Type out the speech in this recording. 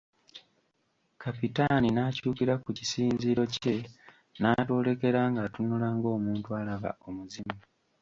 Kapitaani n'akyukira ku kisinziiro kye n'atwolekera ng'atunula ng'omuntu alaba omuzimu.